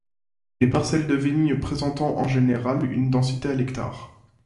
Les parcelles de vigne présentent en général une densité de à l'hectare.